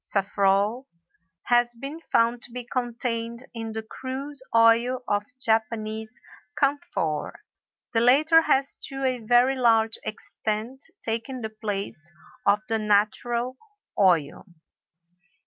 safrol, has been found to be contained in the crude oil of Japanese camphor, the latter has to a very large extent taken the place of the natural oil.